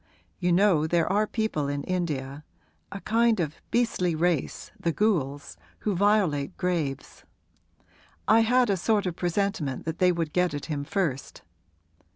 You know there are people in India a kind of beastly race, the ghouls who violate graves. I had a sort of presentiment that they would get at him first.